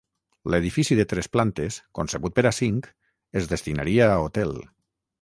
L'edifici de tres plantes, concebut per a cinc, es destinaria a hotel.